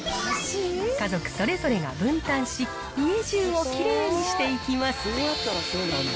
家族それぞれが分担し、家じゅうをきれいにしていきます。